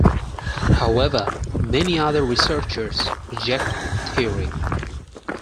However, many other researchers reject the theory.